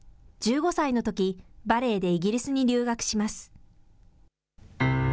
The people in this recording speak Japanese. １５歳のとき、バレエでイギリスに留学します。